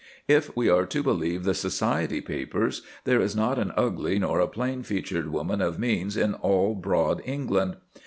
If we are to believe the society papers, there is not an ugly nor a plain featured woman of means in all broad England.